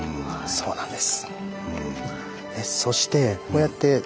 そうなんです。